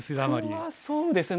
僕はそうですね。